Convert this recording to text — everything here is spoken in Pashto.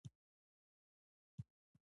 ځوان يې پر اوږه لاس کېښود.